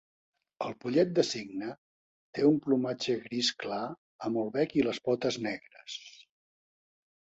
El pollet de cigne té un plomatge gris clar amb el bec i les potes negres.